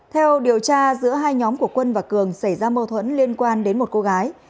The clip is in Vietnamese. theo điều tra giữa hai nhóm của quân và cường xảy ra mâu thuẫn liên quan đến một cô gái